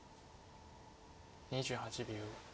２８秒。